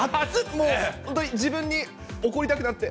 本当に自分に怒りたくなって。